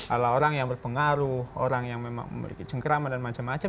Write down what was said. ala orang yang berpengaruh orang yang memang memiliki cengkerama dan macam macam